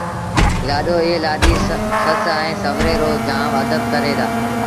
لآڏو ائيٚݩ لآڏيٚ سس ائيٚݩ سُوري رو جآم ادب ڪريݩ دآ